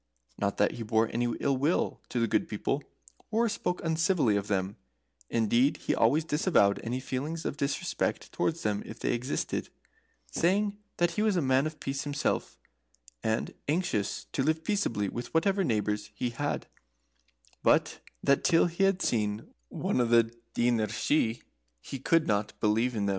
] Not that he bore any ill will to the Good People, or spoke uncivilly of them; indeed he always disavowed any feeling of disrespect towards them if they existed, saying that he was a man of peace himself, and anxious to live peaceably with whatever neighbours he had, but that till he had seen one of the Daoiné Shi he could not believe in them.